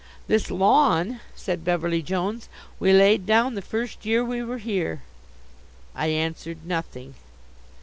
"This lawn," said Beverly Jones, "we laid down the first year we were here." I answered nothing.